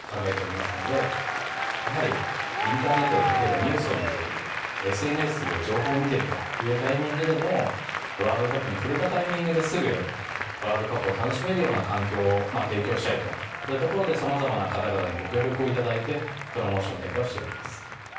やはりインターネットで例えばニュースを見ているＳＮＳで情報を見ているというタイミングでもワールドカップに触れたタイミングですぐワールドカップを楽しめるような環境を提供したいといったところで様々な方々にご協力を頂いてプロモーション展開をしております。